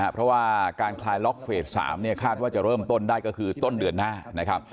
เพราะว่าการคลายล็อกเฟส๓เนี่ยคาดว่าจะเริ่มต้นได้ก็คือต้นเดือนหน้านะครับ